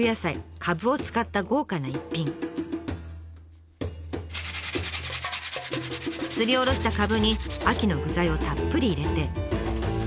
すりおろしたかぶに秋の具材をたっぷり入れて。